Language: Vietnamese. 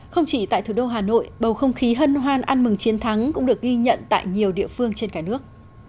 không chỉ tại thủ đô hà nội bầu không khí hân hoan ăn mừng chiến thắng cũng được ghi nhận tại nhiều địa phương trên cả nước